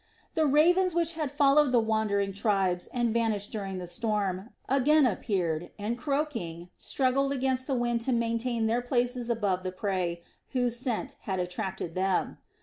The ravens which had followed the wandering tribes and vanished during the storm, again appeared and, croaking, struggled against the wind to maintain their places above the prey whose scent had attracted them.